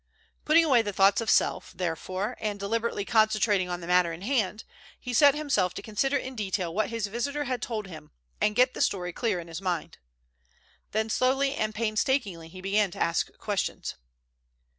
Putting away thoughts of self, therefore, and deliberately concentrating on the matter in hand, he set himself to consider in detail what his visitor had told him and get the story clear in his mind. Then slowly and painstakingly he began to ask questions.